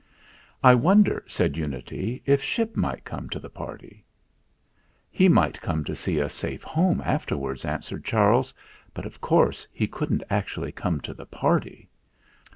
"I wonder," said Unity, "if Ship might come to the party ?" "He might come to see us safe home after wards," answered Charles. "But of course he couldn't actually come to the party."